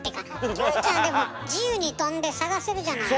キョエちゃんでも自由に飛んで探せるじゃないの。